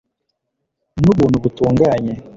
nubuntu butunganye